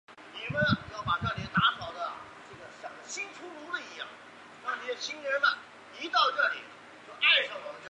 由前纳浩一担任人物设定。